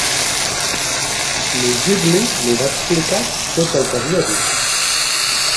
L'Ogivly li va explicar tot el que havia vist.